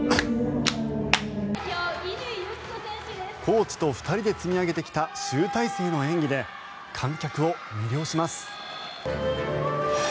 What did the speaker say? コーチと２人で積み上げてきた集大成の演技で観客を魅了します。